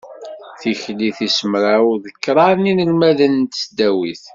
Tikli tis mraw d kraḍ n yinelmaden n tesdawit.